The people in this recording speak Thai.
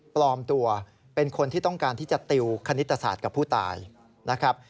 ปลอมตัวเป็นคนที่ต้องการที่จะติวคณิตศาสตร์กับผู้ตายนะครับ